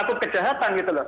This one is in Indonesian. laku kejahatan gitu loh